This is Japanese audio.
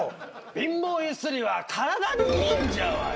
貧乏ゆすりは体にいいんじゃわい。